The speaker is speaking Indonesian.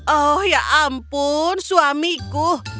oh ya ampun suamiku